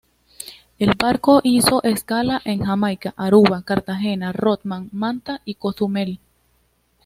El barco hizo escala en Jamaica, Aruba, Cartagena, Rodman, Manta y Cozumel.